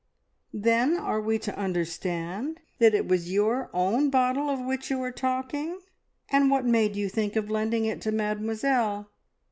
"Then are we to understand that it was your own bottle of which you are talking? And what made you think of lending it to Mademoiselle?"